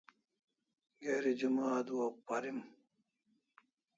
Geri Juma adua o dura parim